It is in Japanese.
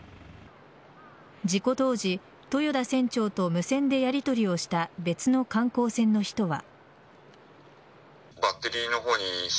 事故当時、豊田船長と無線でやりとりをした別の観光船の人は。